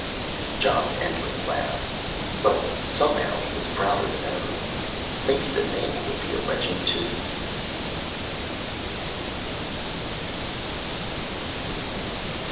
John Endlich laughed. But somehow he was prouder than ever. Maybe the name would be a legend, too.